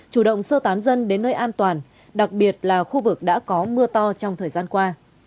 chủ động sơ tán dân đến nơi an toàn đặc biệt là khu vực đã có mưa to trong thời gian qua